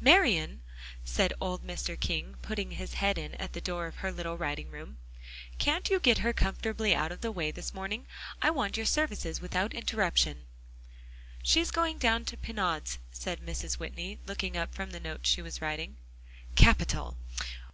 "Marian," said old Mr. King, putting his head in at the door of her little writing room, "can't you get her comfortably out of the way this morning? I want your services without interruption." "She's going down to Pinaud's," said Mrs. Whitney, looking up from the note she was writing. "Capital!